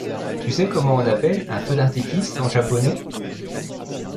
Tu sais comment on appelle un feu d’artifice en japonais ?